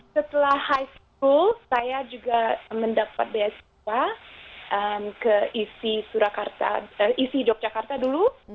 setelah sekolah tinggi saya juga mendapat beasiswa ke isi yogyakarta dulu